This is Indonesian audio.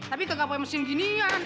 tapi kagak pakai mesin ginian